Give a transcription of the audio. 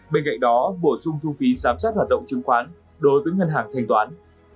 bên cạnh đó bổ sung thu phí giám sát hoạt động chứng khoán đối với ngân hàng thanh toán